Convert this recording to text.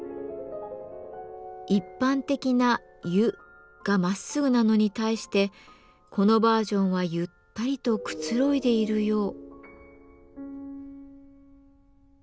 一般的な「ゆ」がまっすぐなのに対してこのバージョンはゆったりとくつろいでいるよう。